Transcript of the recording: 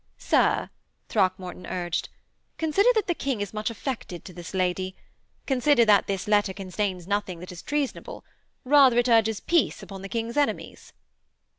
'Sir,' Throckmorton urged, 'consider that the King is much affected to this lady. Consider that this letter contains nothing that is treasonable; rather it urges peace upon the King's enemies.'